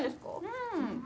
うん。